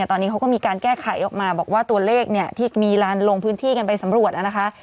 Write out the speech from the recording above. ตอนนี้เขาก็มีการแก้ไขออกมาบอกว่าตัวเลขเนี่ยที่มีการลงพื้นที่กันไปสำรวจนะคะ